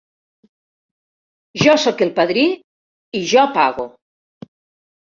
Jo soc el padrí, i jo pago.